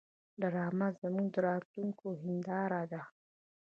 ډرامه زموږ د راتلونکي هنداره ده